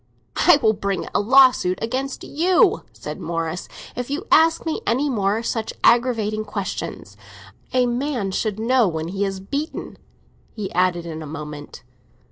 "I will bring a lawsuit against you," said Morris, "if you ask me any more such aggravating questions. A man should know when he is beaten," he added, in a moment.